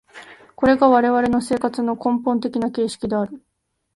これが我々の生活の根本的な形式である。